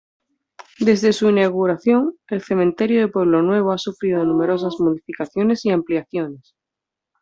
Desde su inauguración, el Cementerio de Pueblo Nuevo ha sufrido numerosas modificaciones y ampliaciones.